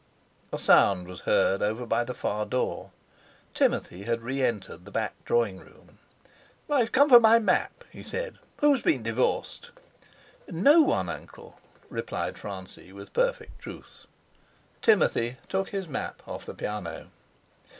A sound was heard over by the far door. Timothy had re entered the back drawing room. "I've come for my map," he said. "Who's been divorced?" "No one, Uncle," replied Francie with perfect truth. Timothy took his map off the piano.